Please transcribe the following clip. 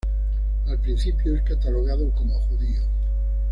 Al principio, es catalogado como judío.